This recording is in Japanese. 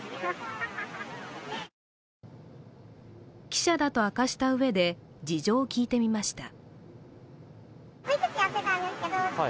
記者だと明かしたうえで、事情を聞いてみました。